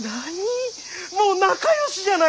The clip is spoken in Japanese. もう仲よしじゃないか！